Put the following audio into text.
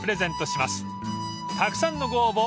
［たくさんのご応募